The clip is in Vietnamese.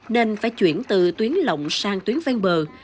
nên phải chuyển từ tuyến lộng sang tuyến ven bờ